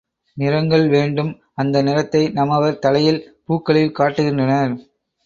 நிறங்கள் வேண்டும் அந்த நிறத்தை நம்மவர் தலையில் பூக்களில் காட்டுகின்றனர்.